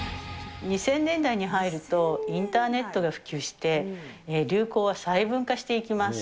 ２０００年代に入ると、インターネットが普及して、流行が細分化していきます。